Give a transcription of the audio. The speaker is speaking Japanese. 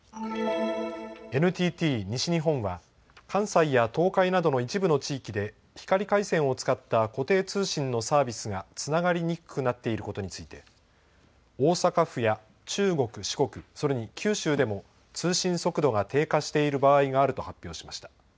ＮＴＴ西日本は関西や東海などの一部の地域で光回線を使った固定通信のサービスがつながりにくくなっていることについて大阪府や中国・四国、それに九州でも通信速度が低下している場合があると発表しました。